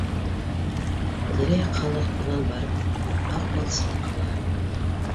Тирә-яҡ халыҡ унан барып аҡбалсыҡ ала